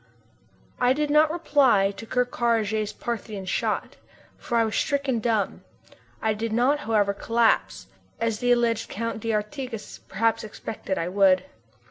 I did not reply to Ker Karraje's Parthian shot, for I was stricken dumb. I did not, however, collapse, as the alleged Count d'Artigas perhaps expected I would.